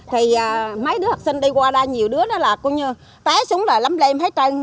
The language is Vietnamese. thì mấy đứa học sinh đi qua đó nhiều đứa đó là coi như té xuống là lấm lêm hay trăng